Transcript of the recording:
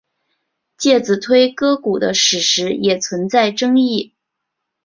介子推割股的史实也存在争议。